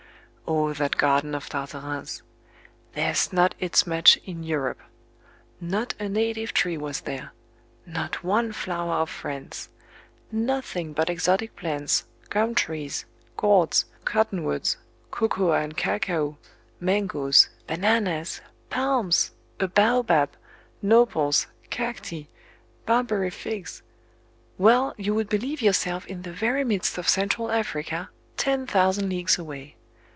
O that garden of Tartarin's! there's not its match in Europe! Not a native tree was there not one flower of France; nothing hut exotic plants, gum trees, gourds, cotton woods, cocoa and cacao, mangoes, bananas, palms, a baobab, nopals, cacti, Barbary figs well, you would believe yourself in the very midst of Central Africa, ten thousand leagues away.